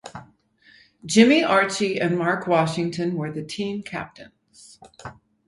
Jimmy Archie and Marc Washington were the team captains.